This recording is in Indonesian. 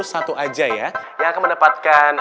satu aja ya yang akan mendapatkan